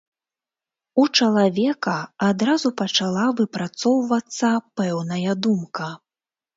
У чалавека адразу пачала выпрацоўвацца пэўная думка.